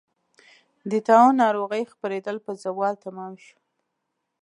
د طاعون ناروغۍ خپرېدل په زوال تمام شو.